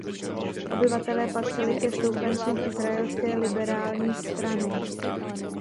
Obyvatelé patřili ke stoupencům Izraelské liberální strany.